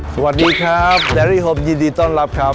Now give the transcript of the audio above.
สวัสดีครับเจอรี่ฮมยินดีต้อนรับครับ